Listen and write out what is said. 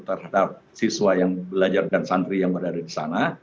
terhadap siswa yang belajar dan santri yang berada di sana